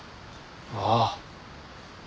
ああ！